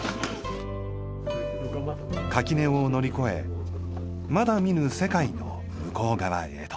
垣根を乗り越えまだ見ぬ世界の向こう側へと。